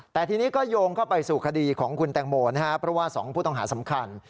แต่ทีนี้ก็โยงเข้าไปสู่คดีของคุณแตงโมนะครับเพราะว่า๒ผู้ต้องหาสำคัญ